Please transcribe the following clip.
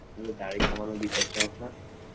এভাবে দাড়ি কামানো বিপজ্জ্বনক না?